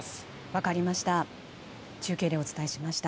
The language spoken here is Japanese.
分かりました。